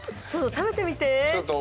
食べてみてって。